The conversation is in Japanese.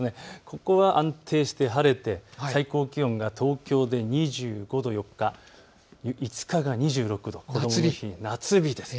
ここは安定して晴れて最高気温が東京で２５度、５日が２６度、夏日です。